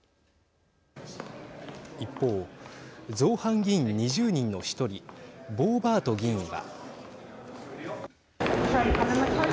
一方、造反議員２０人の１人ボーバート議員は。